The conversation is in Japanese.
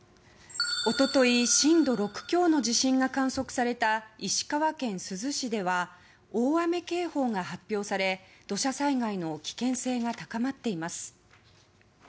一昨日、震度６強の地震が観測された石川県珠洲市では大雨警報が発表され土砂災害の危険性が高まっています。